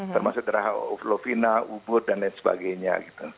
termasuk darah lovina ubud dan lain sebagainya